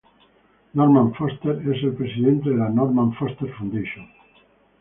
Norman Foster es el Presidente de la Norman Foster Foundation.